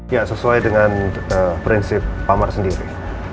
ya sesuai dengan prinsip pak mar sendiri